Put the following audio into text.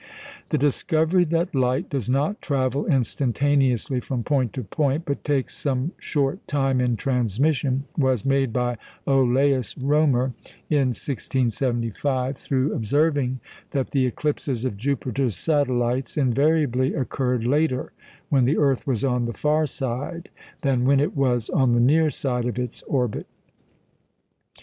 The discovery that light does not travel instantaneously from point to point, but takes some short time in transmission, was made by Olaus Römer in 1675, through observing that the eclipses of Jupiter's satellites invariably occurred later, when the earth was on the far side, than when it was on the near side of its orbit.